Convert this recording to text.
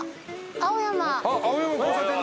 青山！